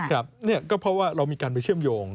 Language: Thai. ครับเพราะว่าเรามีการเชื่อมโยง